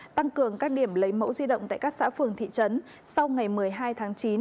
tăng cường các điểm lấy mẫu di động tại các xã phường thị trấn sau ngày một mươi hai tháng chín